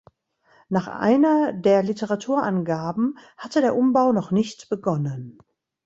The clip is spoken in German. Nach einer der Literaturangaben hatte der Umbau noch nicht begonnen.